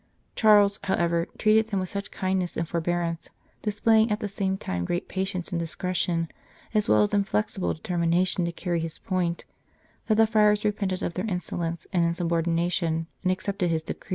Charles, however, treated them with such kindness and forbearance, dis playing at the same time great patience and discretion, as well as inflexible determination to carry his point, that the friars repented of their insolence and insubordination and accepted his decrees.